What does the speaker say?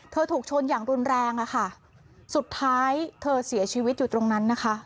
ถูกชนอย่างรุนแรงอะค่ะสุดท้ายเธอเสียชีวิตอยู่ตรงนั้นนะคะ